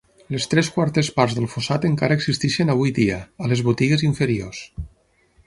Les tres quartes parts del fossat encara existeixen avui dia, a les 'botigues inferiors'.